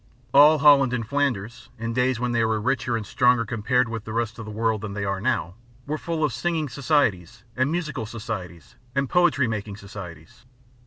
All Holland and Flanders, in days when they were richer, and stronger compared with the rest of the world than they are now, were full of singing societies and musical societies and poetry making societies.